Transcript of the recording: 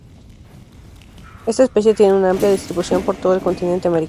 Esta especie tiene una amplia distribución por todo el continente americano.